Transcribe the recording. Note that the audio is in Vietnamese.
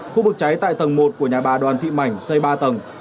khu vực cháy tại tầng một của nhà bà đoàn thị mảnh xây ba tầng